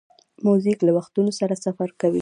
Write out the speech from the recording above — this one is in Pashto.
موزیک له وختونو سره سفر کوي.